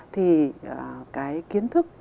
thì cái kiến thức